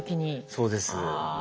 そうです。